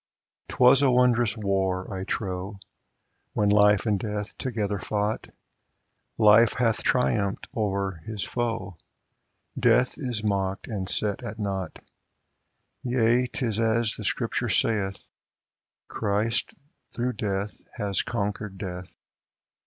'Twas a wondrous war, I trow, When Life and Death together fought ; Life hath triumphed o'er his foe, Death is mocked and set at nought \ Yea, 'tis as the Scripture saith, Christ through death has conquered Death.